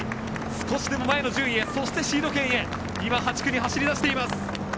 少しでも前の順位へそしてシード権へ今、８区に走り出しています。